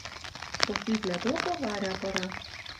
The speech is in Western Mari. Софивлӓ докы Варя пыра.